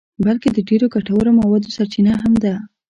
بلکه د ډېرو ګټورو موادو سرچینه هم ده.